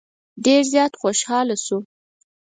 ډېر زیات خوشاله شو.